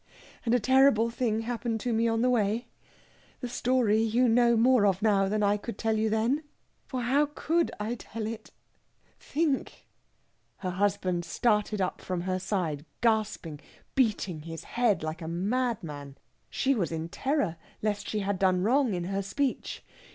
and a terrible thing happened to me on the way ... the story you know more of now than I could tell you then ... for how could I tell it ... think?..." Her husband started up from her side gasping, beating his head like a madman. She was in terror lest she had done wrong in her speech.